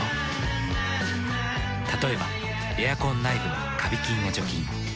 例えばエアコン内部のカビ菌を除菌。